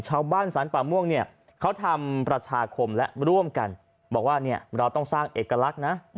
ชาวบ้านสรรป่าม่วงเนี่ยเขาทำประชาคมและร่วมกันบอกว่าเนี่ยเราต้องสร้างเอกลักษณ์นะ